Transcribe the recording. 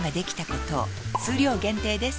数量限定です